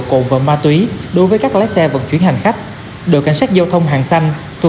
cồn và ma túy đối với các lái xe vận chuyển hành khách đội cảnh sát giao thông hàng xanh thuộc